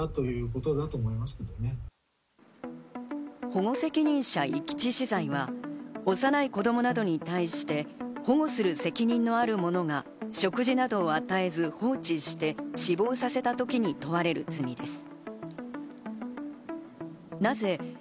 保護責任者遺棄致死罪は、幼い子供などに対して保護する責任のあるものが食事などを与えず放置して死亡させたときに問われる罪です。